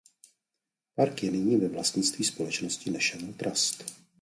Park je nyní ve vlastnictví společnosti National Trust.